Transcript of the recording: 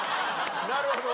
なるほど。